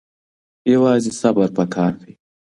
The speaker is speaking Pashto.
یوازې صبر پکار دی.